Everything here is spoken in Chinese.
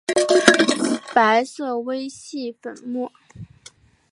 白色微细粉末。